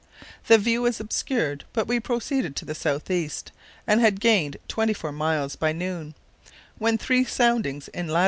The view was obscured, but we proceeded to the south east and had gained 24 miles by noon, when three soundings in lat.